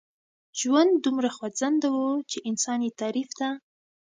ژوند دومره خوځنده و چې انسان يې تعريف ته.